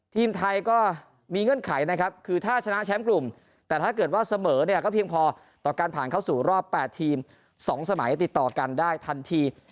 ทีมไทยก็มีเงื่อนไขนะครับคือถ้าชนะแชมป์กลุ่มแต่ถ้าเกิดว่าเสมอเนี่ยก็เพียงพอต่อการผ่านเข้าสู่รอบ๘ทีม๒สมัยติดต่อกันได้ทันที